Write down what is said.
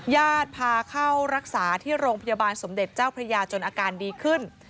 ญาติพาเข้ารักษาที่โรงพยาบาลสมเด็จเจ้าพระยาจนอาการดีขึ้น